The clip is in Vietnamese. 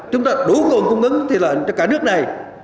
chúng ta đủ nguồn cung ứng thịt lợn cho cả nước này